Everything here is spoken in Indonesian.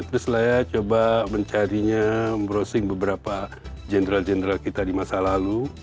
terus saya coba mencarinya browsing beberapa general general kita di masa lalu